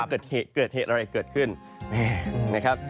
เกิดเหตุอะไรเกิดขึ้น